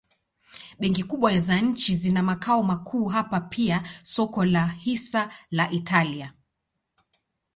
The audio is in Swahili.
Benki kubwa za nchi zina makao makuu hapa pia soko la hisa la Italia.